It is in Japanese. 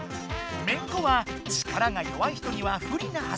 めんこは力が弱い人には不利な遊び。